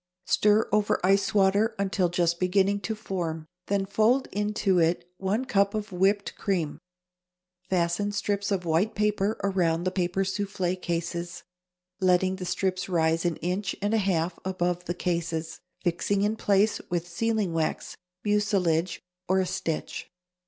Stir over ice water until just beginning to form, then fold into it one cup of whipped cream. Fasten strips of white paper around paper soufflé cases, letting the strips rise an inch and a half above the cases, fixing in place with sealing wax, mucilage, or a stitch.